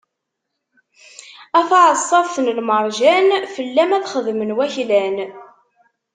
A taɛeṣṣabt n lmerjan, fell-am ad xedmen waklan.